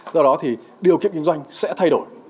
do đó thì điều kiện kinh doanh sẽ thay đổi